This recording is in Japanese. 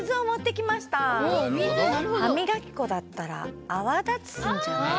歯みがき粉だったらあわだつんじゃない？